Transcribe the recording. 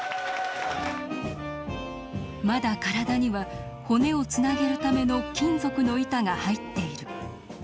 まだ体には骨をつなげるための金属の板が入っている。